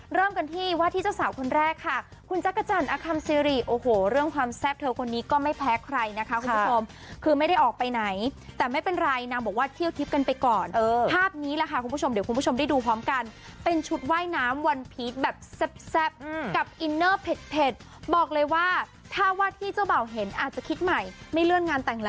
เรื่องงานแต่งแล้วก็ได้เพราะว่าก่อนอันนี้เขาออกมาประกาศว่าจะเรื่องงานแต่ง